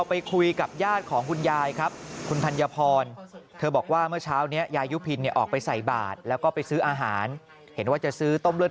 แบบรถมันก็ไม่คอยมีแล้วใช่ไหมเพราะมีแบบแรงสุดอย่างแหละ